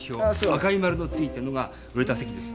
赤い丸の付いてるのが売れた席です。